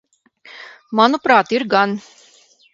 Manuprāt, ir gan.